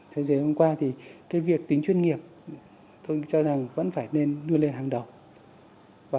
thế giới hôm qua thì việc tính chuyên nghiệp tôi cho rằng vẫn phải đưa lên hàng đầu